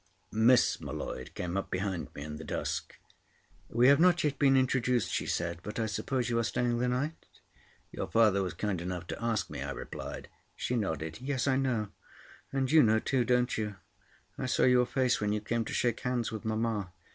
Miss M'Leod came up behind me in the dusk. "We have not yet been introduced," she said, "but I suppose you are staying the night?" "Your father was kind enough to ask me," I replied. She nodded. "Yes, I know; and you know too, don't you? I saw your face when you came to shake hands with mamma.